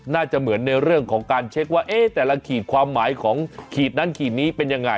น่าจะเหมือนในเรื่องของการเช็คว่าแต่ละขีดความหมายของขีดนั้นขีดนี้เป็นยังไง